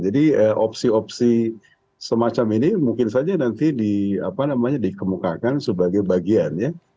jadi opsi opsi semacam ini mungkin saja nanti dikemukakan sebagai bagian ya